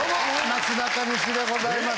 なすなかにしでございます。